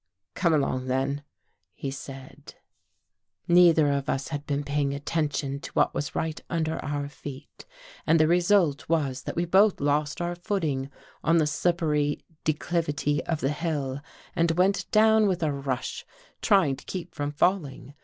" Come along, then," he said. Neither of us had been paying attention to what was right under our feet and the result was that we both lost our footing on the slippery declivity of the hill and went down with a rush, trying to keep from falling.